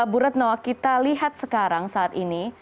bu retno kita lihat sekarang saat ini